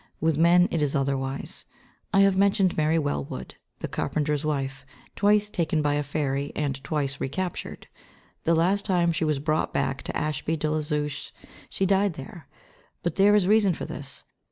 With men it is otherwise. I have mentioned Mary Wellwood, the carpenter's wife, twice taken by a fairy and twice recaptured. The last time she was brought back to Ashby de la Zouche she died there. But there is reason for this.